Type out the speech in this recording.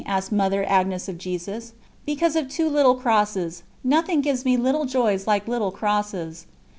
asked Mother Agnes of Jesus. "Because of two little crosses. Nothing gives me 'little joys' like 'little crosses.'"